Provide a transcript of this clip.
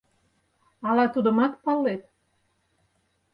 Ала тудымат палет?